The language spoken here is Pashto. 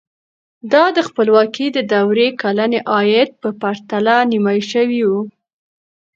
دا د خپلواکۍ د دورې کلني عاید په پرتله نیمايي شوی و.